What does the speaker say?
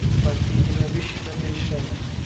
Bankda yigirma besh yildan beri ishlayman